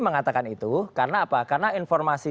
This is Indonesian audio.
mengatakan itu karena apa karena informasi